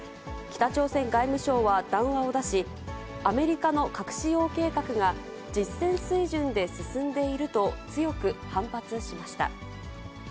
北朝鮮外務省は談話を出し、アメリカの核使用計画が、実戦水準で進んでいると強く反発しました。